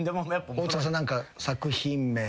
大塚さん何か作品名。